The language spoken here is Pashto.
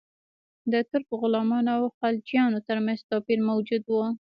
د ترک غلامانو او خلجیانو ترمنځ توپیر موجود و.